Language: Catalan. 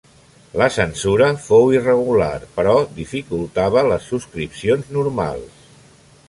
La censura fou irregular però dificultava les subscripcions normals.